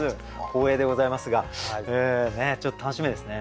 光栄でございますがちょっと楽しみですね。